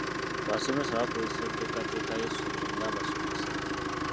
Abasomesa bakozesa enteekateeka y'essomo nga basomesa.